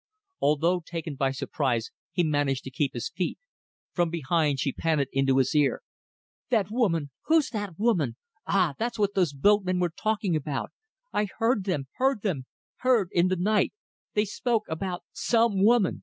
Although taken by surprise, he managed to keep his feet. From behind she panted into his ear "That woman! Who's that woman? Ah! that's what those boatmen were talking about. I heard them ... heard them ... heard ... in the night. They spoke about some woman.